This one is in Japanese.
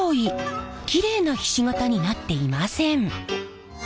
キレイなひし形になっていません。